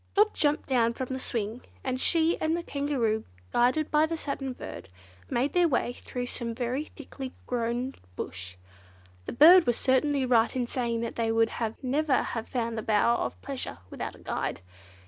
Dot jumped down from the swing, and she and the Kangaroo, guided by the Satin Bird, made their way through some very thickly grown bush. The bird was certainly right in saying that they would never have found the Bower of Pleasure without a guide.